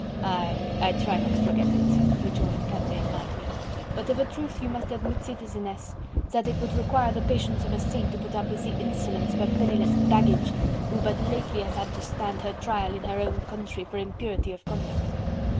"Aye! I try not to forget it," rejoined Candeille lightly, "but of a truth you must admit, Citizeness, that it would require the patience of a saint to put up with the insolence of a penniless baggage, who but lately has had to stand her trial in her own country for impurity of conduct."